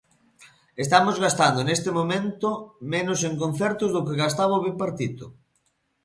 Estamos gastando neste momento menos en concertos do que gastaba o Bipartito.